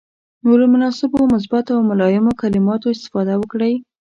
نو له مناسبو، مثبتو او ملایمو کلماتو استفاده وکړئ.